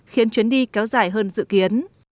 khiến chuyến đi kéo dài hơn dự kiến